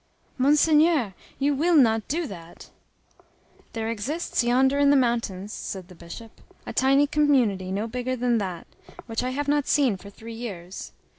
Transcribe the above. "Monseigneur, you will not do that!" "There exists yonder in the mountains," said the Bishop, "a tiny community no bigger than that, which I have not seen for three years.